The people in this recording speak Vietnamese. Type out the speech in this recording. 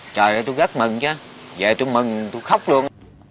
trời ơi tôi rất mừng chứ về tôi mừng tôi khóc luôn